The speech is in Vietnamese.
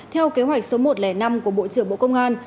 theo kế hoạch số một trăm linh năm của bộ trưởng bộ công an